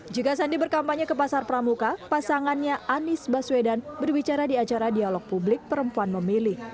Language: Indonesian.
jika sandi berkampanye ke pasar pramuka pasangannya anies baswedan berbicara di acara dialog publik perempuan memilih